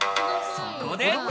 そこで。